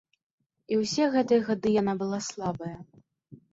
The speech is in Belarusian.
І ўсе гэтыя гады яна была слабая.